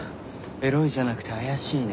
「エロい」じゃなくて「怪しい」ね。